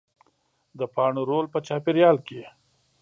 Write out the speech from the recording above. د پاڼو رول په چاپېریال کې